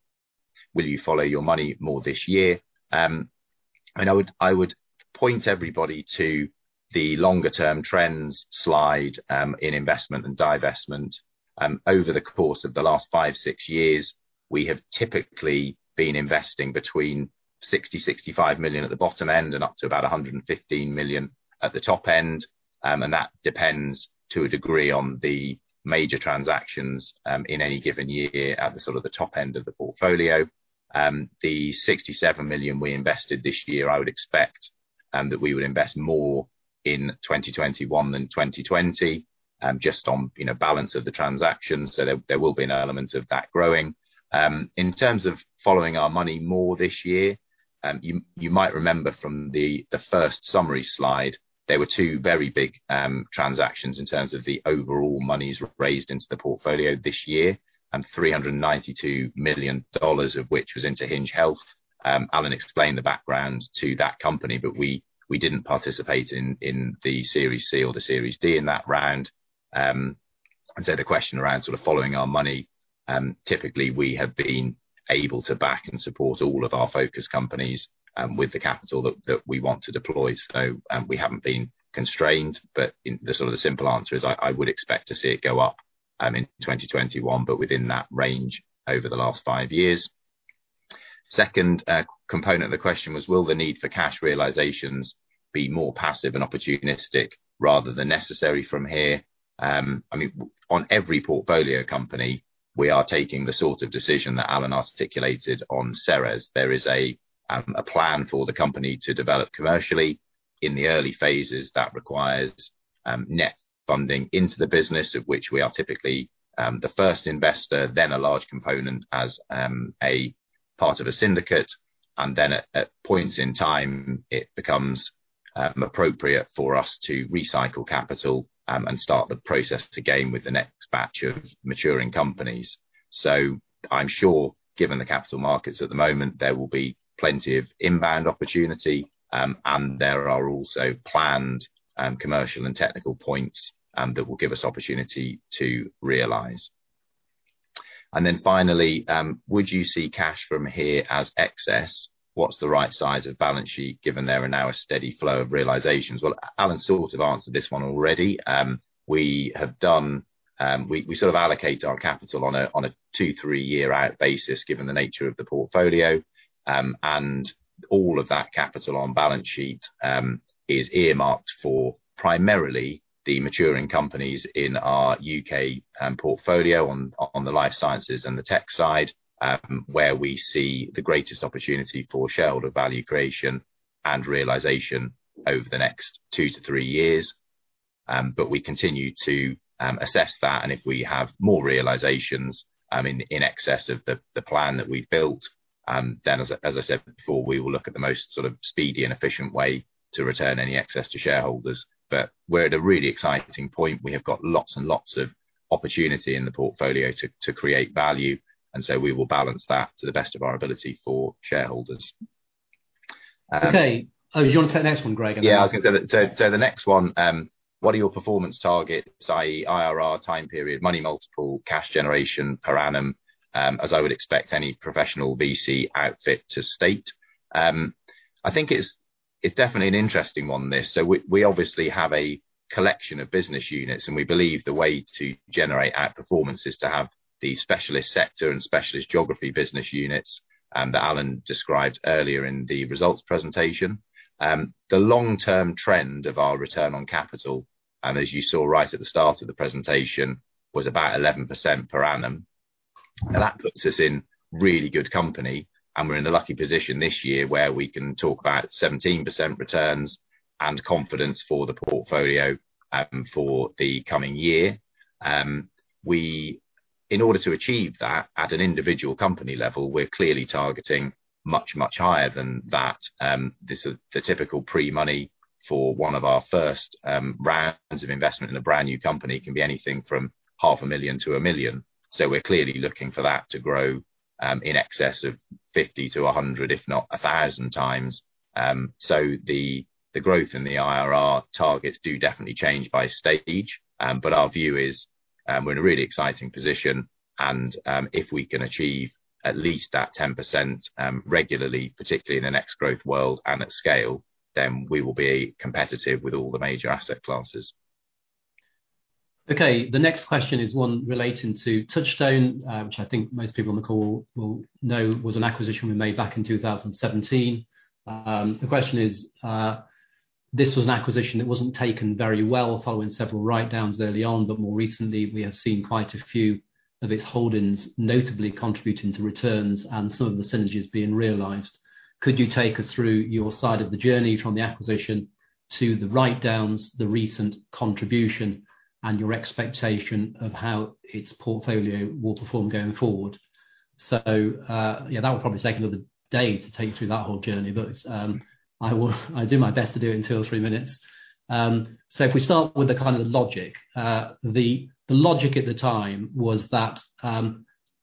Will you follow your money more this year? I would point everybody to the longer term trends slide in investment and divestment. Over the course of the last five, six years, we have typically been investing between 60 million, 65 million at the bottom end and up to about 115 million at the top end. That depends to a degree on the major transactions, in any given year at the top end of the portfolio. The 67 million we invested this year, I would expect that we would invest more in 2021 than 2020, just on balance of the transactions. In terms of following our money more this year, you might remember from the first summary slide, there were two very big transactions in terms of the overall monies raised into the portfolio this year, and $392 million of which was into Hinge Health. Alan explained the background to that company, but we didn't participate in the Series C or the Series D in that round. The question around following our money, typically, we have been able to back and support all of our focus companies with the capital that we want to deploy. We haven't been constrained, but the simple answer is, I would expect to see it go up in 2021, but within that range over the last five years. Second component of the question was, will the need for cash realizations be more passive and opportunistic rather than necessary from here? On every portfolio company, we are taking the sort of decision that Alan articulated on Ceres. There is a plan for the company to develop commercially. In the early phases, that requires net funding into the business, of which we are typically the first investor, then a large component as a part of a syndicate. At points in time, it becomes appropriate for us to recycle capital and start the process again with the next batch of maturing companies. I'm sure given the capital markets at the moment, there will be plenty of inbound opportunity, and there are also planned commercial and technical points that will give us opportunity to realize. Finally, would you see cash from here as excess? What's the right size of balance sheet given there are now a steady flow of realizations? Well, Alan sort of answered this one already. We allocate our capital on a two, three-year out basis, given the nature of the portfolio. All of that capital on balance sheet is earmarked for primarily the maturing companies in our U.K. portfolio on Life Sciences and the Tech side, where we see the greatest opportunity for shareholder value creation and realization over the next two to three years. We continue to assess that, and if we have more realizations in excess of the plan that we've built, then as I said before, we will look at the most speedy and efficient way to return any excess to shareholders. We're at a really exciting point. We have got lots and lots of opportunity in the portfolio to create value, and so we will balance that to the best of our ability for shareholders. Okay. Do you want to take the next one, Greg? Yeah. The next one, what are your performance targets, i.e., IRR, time period, money multiple, cash generation per annum? As I would expect any professional VC outfit to state. I think it's definitely an interesting one, this. We obviously have a collection of business units, and we believe the way to generate outperformance is to have the specialist sector and specialist geography business units that Alan described earlier in the results presentation. The long-term trend of our return on capital, and as you saw right at the start of the presentation, was about 11% per annum. That puts us in really good company, and we're in the lucky position this year where we can talk about 17% returns and confidence for the portfolio for the coming year. In order to achieve that at an individual company level, we're clearly targeting much, much higher than that. The typical pre-money for one of our first rounds of investment in a brand-new company can be anything from 500,000 to 1 million. We're clearly looking for that to grow in excess of 50x to 100x, if not 1,000x. The growth in the IRR targets do definitely change by stage. Our view is, we're in a really exciting position, and if we can achieve at least that 10% regularly, particularly in the next growth world and at scale, then we will be competitive with all the major asset classes. Okay. The next question is one relating to Touchstone, which I think most people on the call will know was an acquisition we made back in 2017. The question is, this was an acquisition that wasn't taken very well following several write-downs early on, but more recently, we have seen quite a few of its holdings notably contributing to returns and some of the synergies being realized. Could you take us through your side of the journey from the acquisition to the write-downs, the recent contribution, and your expectation of how its portfolio will perform going forward? Yeah, that will probably take another day to take through that whole journey, but I do my best to do it in two or three minutes. If we start with the logic. The logic at the time was that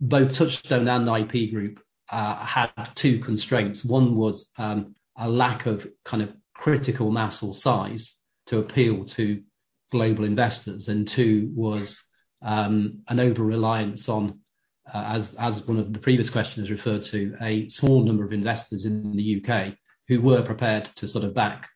both Touchstone and IP Group had two constraints. One was a lack of critical mass or size to appeal to global investors, two was an over-reliance on, as one of the previous questions referred to, a small number of investors in the U.K. who were prepared to back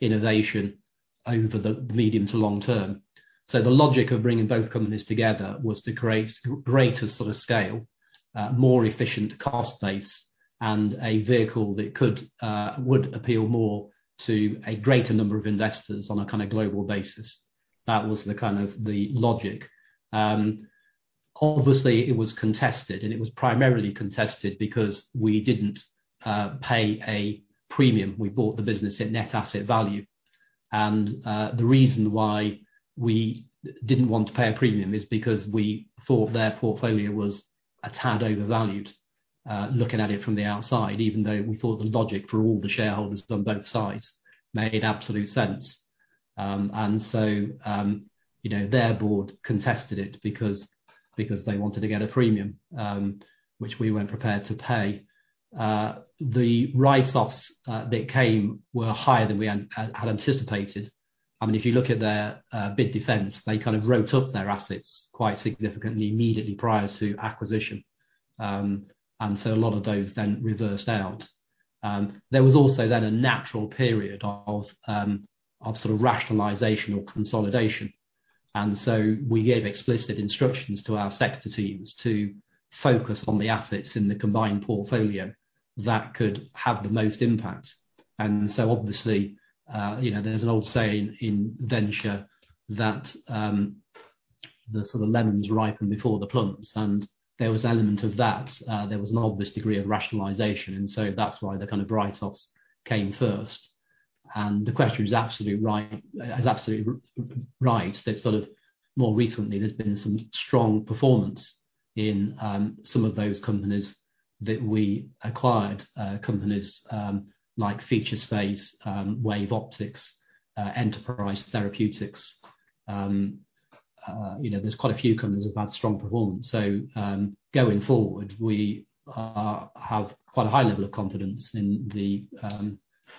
innovation over the medium- to long-term. The logic of bringing both companies together was to create greater scale, more efficient cost base, and a vehicle that would appeal more to a greater number of investors on a global basis. That was the logic. Obviously, it was contested, it was primarily contested because we didn't pay a premium. We bought the business at net asset value. The reason why we didn't want to pay a premium is because we thought their portfolio was a tad overvalued, looking at it from the outside, even though we thought the logic for all the shareholders on both sides made absolute sense. Their board contested it because they wanted to get a premium, which we weren't prepared to pay. The write-offs that came were higher than we had anticipated. If you look at their bid defense, they wrote up their assets quite significantly immediately prior to acquisition. A lot of those then reversed out. There was also then a natural period of rationalization or consolidation. We gave explicit instructions to our sector teams to focus on the assets in the combined portfolio that could have the most impact. Obviously, there's an old saying in venture that the lemons ripen before the plums, and there was an element of that. There was an obvious degree of rationalization, that's why the write-offs came first. The question is absolutely right. More recently, there's been some strong performance in some of those companies that we acquired. Companies like Featurespace, WaveOptics, Enterprise Therapeutics. There's quite a few companies who've had strong performance. Going forward, we have quite a high level of confidence in the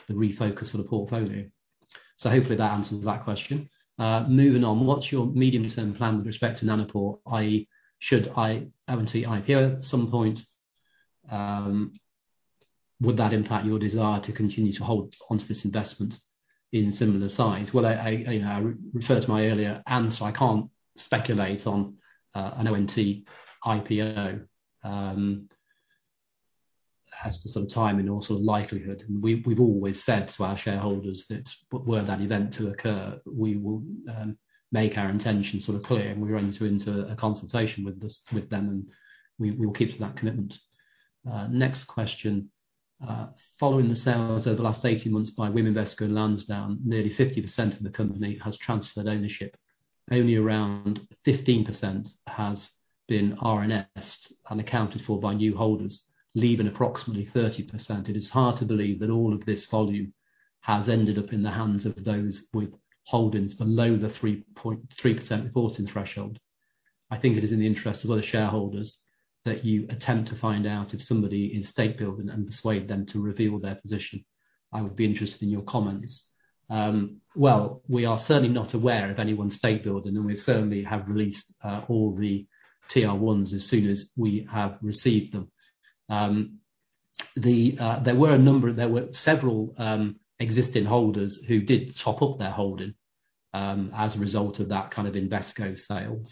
refocus of the portfolio. Hopefully that answers that question. Moving on, what's your medium-term plan with respect to Oxford Nanopore? i.e., should ONT IPO at some point? Would that impact your desire to continue to hold onto this investment in similar size? Well, I referred to my earlier answer. I can't speculate on an ONT IPO as to some time and also likelihood. We've always said to our shareholders that were that event to occur, we will make our intentions clear, and we're only too into a consultation with them, and we will keep to that commitment. Next question. Following the sales over the last 18 months by Invesco and Lansdowne, nearly 50% of the company has transferred ownership. Only around 15% has been RNS and accounted for by new holders, leaving approximately 30%. It is hard to believe that all of this volume has ended up in the hands of those with holdings below the 3.3% reporting threshold. I think it is in the interest of other shareholders that you attempt to find out if somebody is stake-building and persuade them to reveal their position. I would be interested in your comments. We are certainly not aware of anyone stake-building, and we certainly have released all the TR-1s as soon as we have received them. There were several existing holders who did top up their holding as a result of that Invesco sale.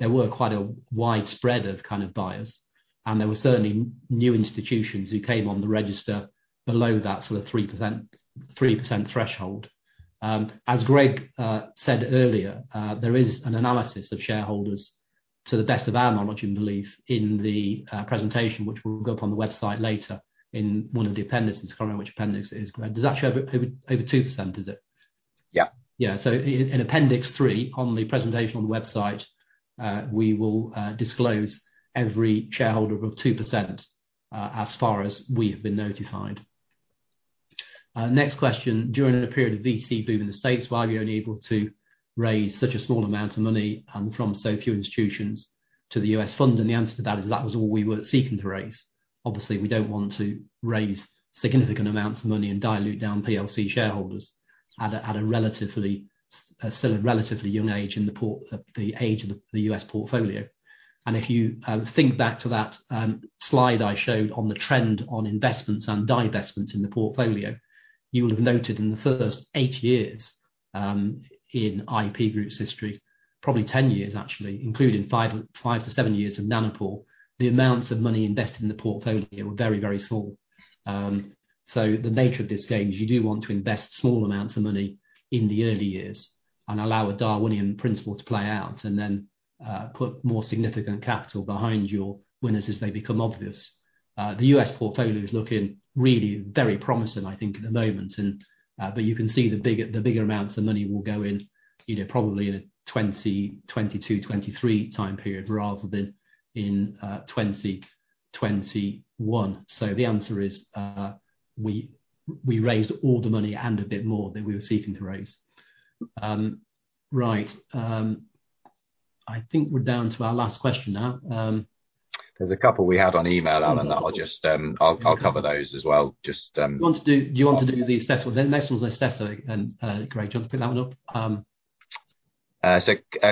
There were quite a wide spread of buyers, and there were certainly new institutions who came on the register below that 3% threshold. As Greg said earlier, there is an analysis of shareholders to the best of our knowledge and belief in the presentation, which will go up on the website later in one of the appendices. I can't remember which appendix it is. Greg, does that show over 2%, does it? Yeah. Yeah. In appendix three on the presentation on the website, we will disclose every shareholder of 2% as far as we have been notified. Next question. During a period of VC boom in the States, why are we only able to raise such a small amount of money and from so few institutions to the U.S. fund? The answer to that is, that was all we were seeking to raise. Obviously, we don't want to raise significant amounts of money and dilute down PLC shareholders at a relatively young age in the age of the U.S. portfolio. If you think back to that slide I showed on the trend on investments and divestments in the portfolio, you will have noted in the first eight years in IP Group's history, probably 10 years actually, including five to seven years of Nanopore, the amounts of money invested in the portfolio were very, very small. The nature of this game is you do want to invest small amounts of money in the early years and allow a Darwinian principle to play out, then put more significant capital behind your winners as they become obvious. The U.S. portfolio is looking really very promising, I think, at the moment. You can see the bigger amounts of money will go in probably in a 2022, 2023 time period rather than in 2021. The answer is, we raised all the money and a bit more than we were seeking to raise. Right. I think we're down to our last question now. There's a couple we had on email, Alan, that I'll cover those as well. Do you want to do the Istesso? The next one's Istesso, and great, do you want to pick that one up?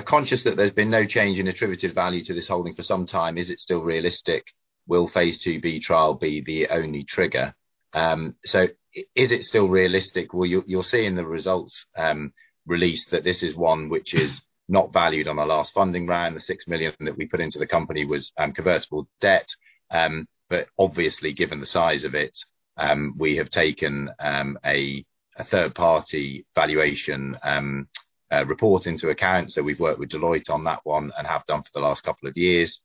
Conscious that there's been no change in attributed value to this holding for some time, is it still realistic? Will phase II-B trial be the only trigger? Is it still realistic? You'll see in the results release that this is one which is not valued on our last funding round. The 6 million that we put into the company was convertible debt. Obviously given the size of it, we have taken a third-party valuation report into account. We've worked with Deloitte on that one and have done for the last couple of years.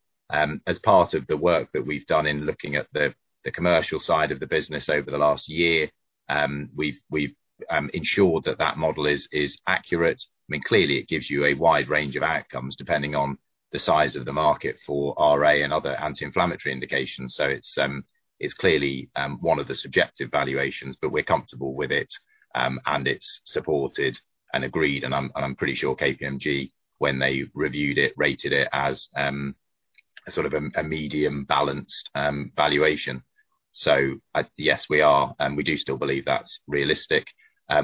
As part of the work that we've done in looking at the commercial side of the business over the last year, we've ensured that that model is accurate. Clearly it gives you a wide range of outcomes depending on the size of the market for RA and other anti-inflammatory indications. It's clearly one of the subjective valuations, but we're comfortable with it, and it's supported and agreed, and I'm pretty sure KPMG, when they reviewed it, rated it as sort of a medium balanced valuation. Yes, we are, and we do still believe that's realistic.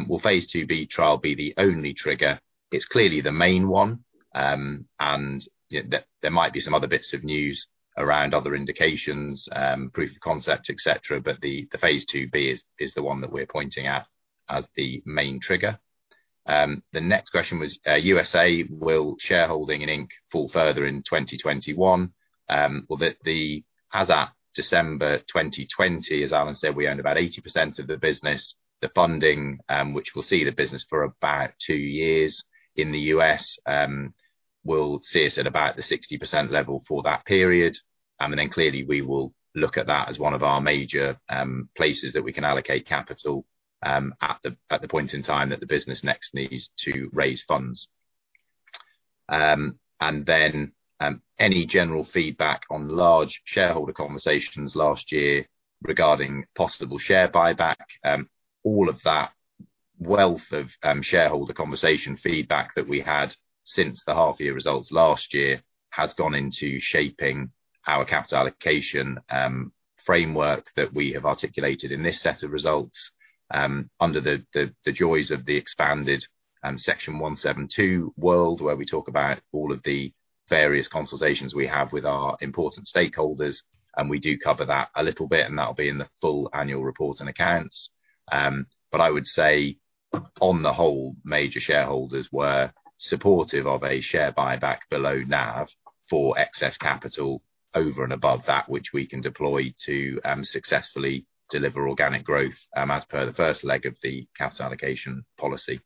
Will phase II-B trial be the only trigger? It's clearly the main one. There might be some other bits of news around other indications, proof of concept, et cetera. The phase II-B is the one that we're pointing at as the main trigger. The next question was, U.S.A., will shareholding in Inc fall further in 2021? Well, as at December 2020, as Alan said, we own about 80% of the business. The funding, which will see the business for about two years in the U.S., will see us at about the 60% level for that period. Clearly we will look at that as one of our major places that we can allocate capital, at the point in time that the business next needs to raise funds. Any general feedback on large shareholder conversations last year regarding possible share buyback. All of that wealth of shareholder conversation feedback that we had since the half-year results last year has gone into shaping our capital allocation framework that we have articulated in this set of results under the joys of the expanded Section 172 world, where we talk about all of the various consultations we have with our important stakeholders, and we do cover that a little bit, and that'll be in the full annual report and accounts. I would say on the whole, major shareholders were supportive of a share buyback below NAV for excess capital over and above that which we can deploy to successfully deliver organic growth as per the first leg of the capital allocation policy.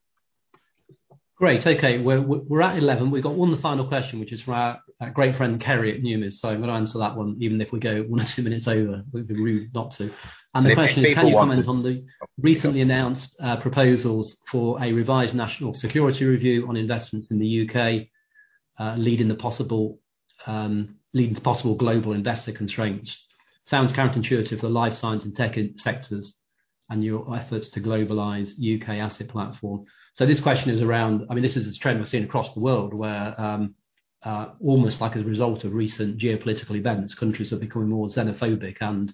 Great. Okay. We're at 11. We've got one final question, which is from our great friend Kerry at Numis. I'm going to answer that one, even if we go one or two minutes over, we'd be rude not to. The question is, can you comment on the recently announced proposals for a revised national security review on investments in the U.K., leading to possible global investor constraints? Sounds counterintuitive for Life Science and Tech sectors and your efforts to globalize U.K. asset platform. This is a trend we're seeing across the world where almost like as a result of recent geopolitical events, countries are becoming more xenophobic and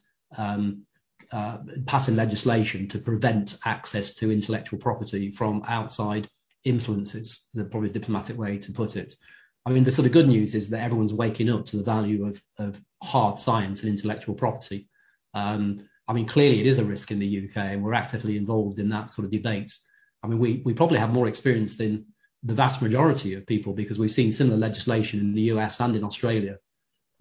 passing legislation to prevent access to intellectual property from outside influences, is probably the diplomatic way to put it. The good news is that everyone's waking up to the value of hard science and intellectual property. Clearly it is a risk in the U.K., and we're actively involved in that sort of debate. We probably have more experience than the vast majority of people because we've seen similar legislation in the U.S. and in Australia.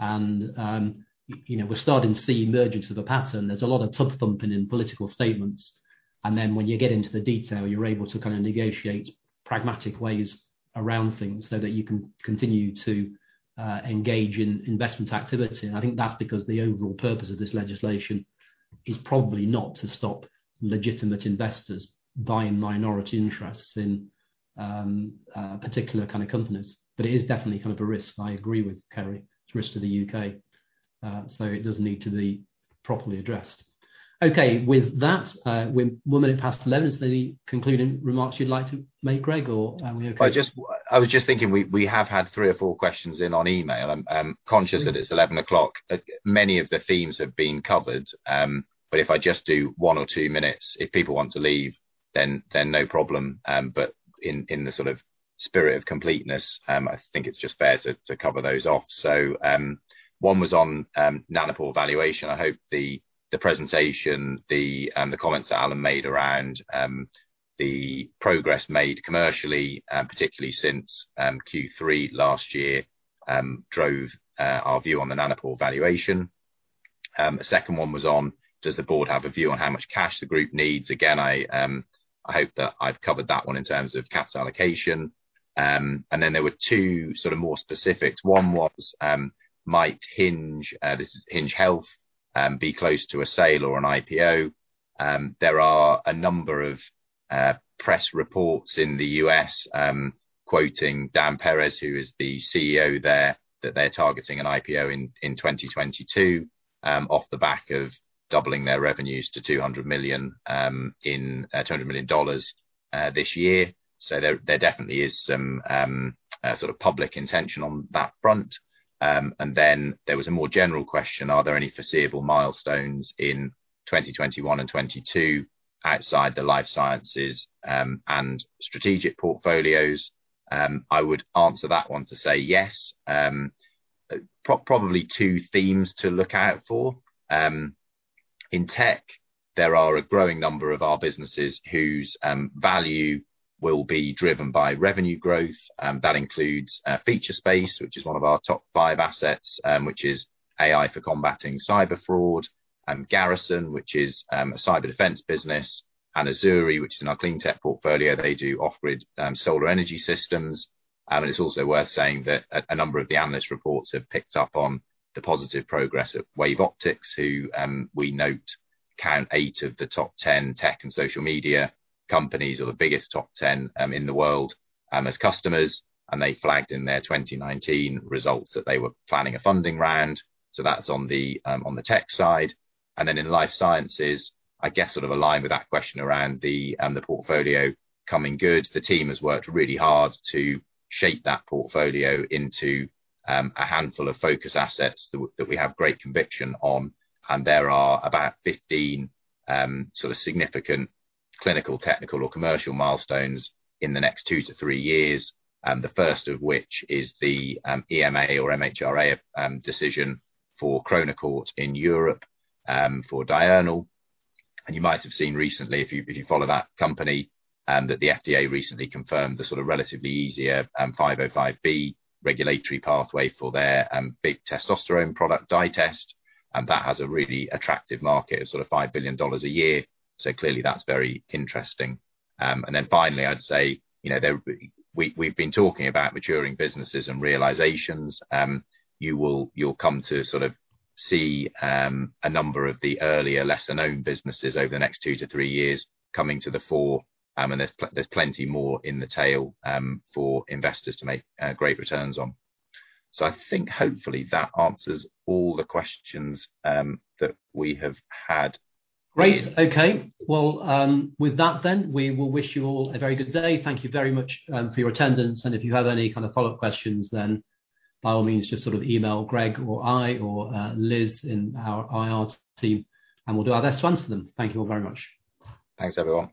We're starting to see the emergence of a pattern. There's a lot of tub thumping in political statements, and then when you get into the detail, you're able to negotiate pragmatic ways around things so that you can continue to engage in investment activity. I think that's because the overall purpose of this legislation is probably not to stop legitimate investors buying minority interests in particular kind of companies. It is definitely kind of a risk, I agree with Kerry. It's a risk to the U.K., so it does need to be properly addressed. Okay, with that, we're one minute past 11. Is there any concluding remarks you'd like to make, Greg, or are we okay? I was just thinking we have had three or four questions in on email. I'm conscious that it's 11 o'clock. Many of the themes have been covered. If I just do one or two minutes, if people want to leave, then no problem. In the sort of spirit of completeness, I think it's just fair to cover those off. One was on Nanopore valuation. I hope the presentation and the comments that Alan made around the progress made commercially, particularly since Q3 last year drove our view on the Nanopore valuation. A second one was on does the board have a view on how much cash the group needs? Again, I hope that I've covered that one in terms of capital allocation. And then there were two more specifics. One was might Hinge Health be close to a sale or an IPO? There are a number of press reports in the U.S. quoting Dan Perez, who is the CEO there, that they're targeting an IPO in 2022 off the back of doubling their revenues to $200 million this year. There definitely is some public intention on that front. There was a more general question, are there any foreseeable milestones in 2021 and 2022 outside Life Sciences and strategic portfolios? I would answer that one to say yes. Probably two themes to look out for. In tech, there are a growing number of our businesses whose value will be driven by revenue growth. That includes Featurespace, which is one of our top five assets, which is AI for combating cyber fraud, and Garrison, which is a cyber defense business, and Azuri, which is in our clean tech portfolio. They do off-grid solar energy systems. It's also worth saying that a number of the analyst reports have picked up on the positive progress at WaveOptics, who we note count eight of the top 10 tech and social media companies, or the biggest top 10 in the world, as customers. They flagged in their 2019 results that they were planning a funding round. That's on the Tech side. Life Sciences, I guess aligned with that question around the portfolio coming good, the team has worked really hard to shape that portfolio into a handful of focus assets that we have great conviction on. There are about 15 significant clinical, technical or commercial milestones in the next two to three years. The first of which is the EMA or MHRA decision for Chronocort in Europe for Diurnal. You might have seen recently, if you follow that company, that the FDA recently confirmed the relatively easier 505(b) regulatory pathway for their big testosterone product, DITEST, and that has a really attractive market of GBP 5 billion a year. Clearly that's very interesting. Then finally, I'd say, we've been talking about maturing businesses and realizations. You'll come to see a number of the earlier lesser-known businesses over the next two to three years coming to the fore, and there's plenty more in the tail for investors to make great returns on. I think hopefully that answers all the questions that we have had. Great. Okay. Well, with that then, we will wish you all a very good day. Thank you very much for your attendance. If you have any follow-up questions then, by all means, just email Greg or I or Liz in our IR team, and we'll do our best to answer them. Thank you all very much. Thanks, everyone.